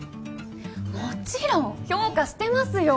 もちろん評価してますよ